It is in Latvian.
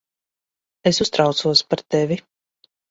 Es uztraucos par tevi.